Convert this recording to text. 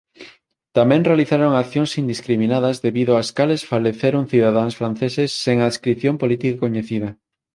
Tamén realizaron accións indiscriminadas debido ás cales faleceron cidadáns franceses sen adscrición política coñecida.